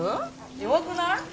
弱くない？